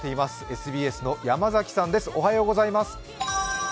ＳＢＳの山崎さんです。